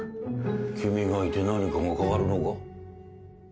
君がいて何かが変わるのか？